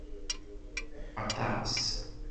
Aṭas!